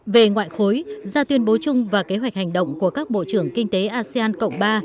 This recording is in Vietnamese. về ngoại khối ra tuyên bố chung và kế hoạch hành động của các bộ trưởng kinh tế asean cộng ba